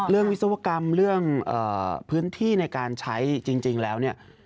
เรื่องวิศวกรรมเรื่องพื้นที่ในการใช้จริงแล้ว